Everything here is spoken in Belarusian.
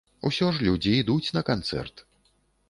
Усё ж людзі ідуць на канцэрт.